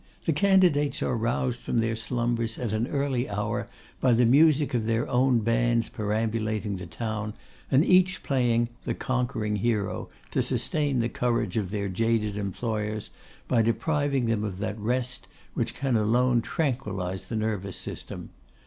The candidates are roused from their slumbers at an early hour by the music of their own bands perambulating the town, and each playing the 'conquering hero' to sustain the courage of their jaded employers, by depriving them of that rest which can alone tranquillise the nervous system.